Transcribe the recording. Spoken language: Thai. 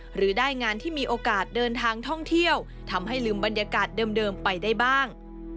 หรือได้งานที่มีโอกาสเดินทางท่องเที่ยวทำให้ลืมบรรยากาศเดิมไปได้บ้าง